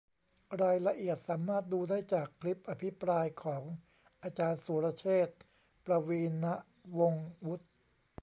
รายละเอียดสามารถดูได้จากคลิปอภิปรายของอาจารย์สุรเชษฐ์ ประวีณวงศ์วุฒิ